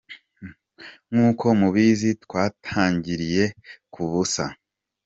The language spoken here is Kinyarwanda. nk’uko mubizi, twatangiriye ku busa.